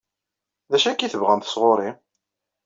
D acu akka i tebɣamt sɣur-i?